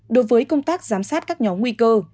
đối với công tác giám sát các nhóm nguy cơ